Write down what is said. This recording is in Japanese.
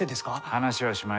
話はしまいだ。